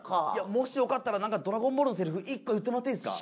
もしよかったらなんか『ドラゴンボール』のセリフ１個言ってもらっていいですか？